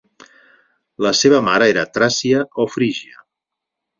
La seva mare era tràcia o frígia.